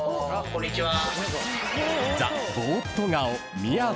こんにちは。